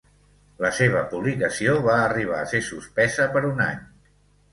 La seva publicació va arribar a ser suspesa per un any.